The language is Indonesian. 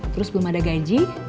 terus belum ada gaji